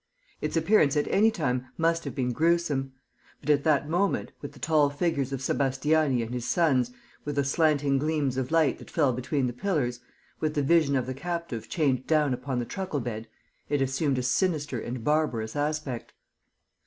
Its appearance at any time must have been gruesome. But, at that moment, with the tall figures of Sébastiani and his sons, with the slanting gleams of light that fell between the pillars, with the vision of the captive chained down upon the truckle bed, it assumed a sinister and barbarous aspect.